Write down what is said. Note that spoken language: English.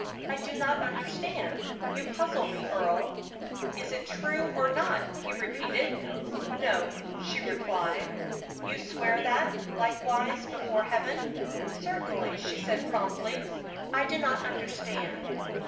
I do not understand you puzzle me, Earle." "Is it true, or not?" he repeated. "No," she replied. "You swear that, likewise, before Heaven?" "Certainly," she said, promptly. "I do not understand."